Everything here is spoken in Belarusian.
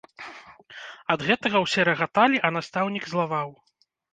Ад гэтага ўсе рагаталі, а настаўнік злаваў.